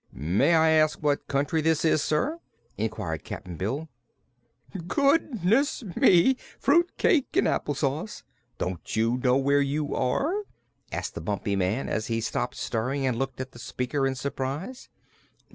"May I ask what country this is, sir?" inquired Cap'n Bill. "Goodness me fruit cake and apple sauce! don't you know where you are?" asked the Bumpy Man, as he stopped stirring and looked at the speaker in surprise.